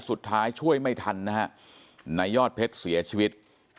ช่วยไม่ทันนะฮะนายยอดเพชรเสียชีวิต